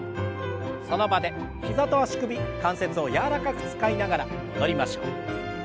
その場で膝と足首関節を柔らかく使いながら戻りましょう。